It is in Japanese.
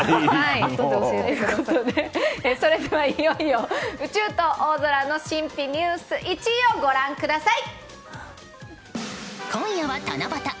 ということで、それではいよいよ宇宙と大空の神秘ニュース１位をご覧ください。